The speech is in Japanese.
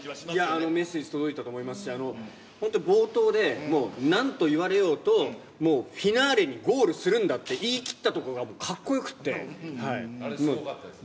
メッセージ届いたと思いますし、本当に冒頭で、もう、なんと言われようと、もうフィナーレにゴールするんだって言い切ったところがかっこよあれすごかったですね。